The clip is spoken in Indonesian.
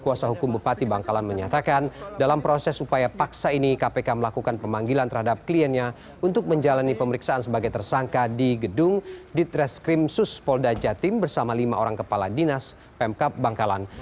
kuasa hukum bupati bangkalan menyatakan dalam proses upaya paksa ini kpk melakukan pemanggilan terhadap kliennya untuk menjalani pemeriksaan sebagai tersangka di gedung ditreskrim suspolda jatim bersama lima orang kepala dinas pemkap bangkalan